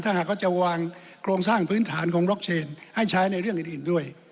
ถ้าหากเขาจะวางโครงสร้างพื้นฐานของบล็อกเชนให้ใช้ในเรื่องอื่นด้วย